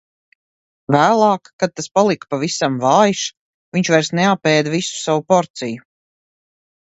Vēlāk, kad tas palika pavisam vājš, viņš vairs neapēda visu savu porciju.